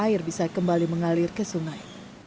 air bisa kembali mengalir ke sungai